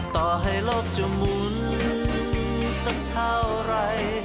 ต่อให้โลกจะหมุนสักเท่าไหร่